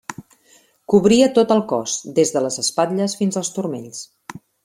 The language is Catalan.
Cobria tot el cos des de les espatlles fins als turmells.